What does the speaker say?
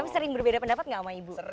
tapi sering berbeda pendapat nggak sama ibu